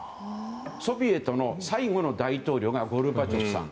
ソビエトの最後の大統領がゴルバチョフさん